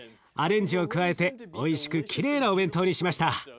アレンジを加えておいしくきれいなお弁当にしました。